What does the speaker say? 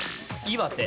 岩手。